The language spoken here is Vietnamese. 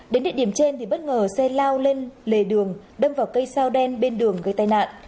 đến địa điểm trên thì bất ngờ xe lao lên lề đường đâm vào cây sao đen bên đường gây tai nạn